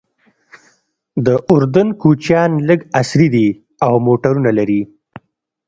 د اردن کوچیان لږ عصري دي او موټرونه لري.